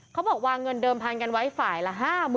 เขาบอกวางเงินเดิมพันกันไว้ฝ่ายละ๕๐๐๐